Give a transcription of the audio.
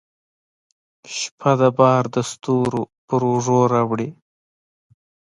شپه ده بار دستورو په اوږو راوړي